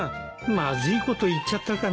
まずいこと言っちゃったかな。